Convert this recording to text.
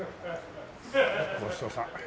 ごちそうさん。